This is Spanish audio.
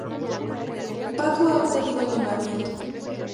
Paco ha obtenido el nombramiento